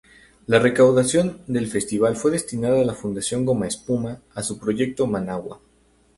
La recaudación del festival fue destinada a la Fundación Gomaespuma a su proyecto Managua.